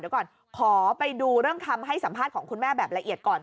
เดี๋ยวก่อนขอไปดูเรื่องคำให้สัมภาษณ์ของคุณแม่แบบละเอียดก่อน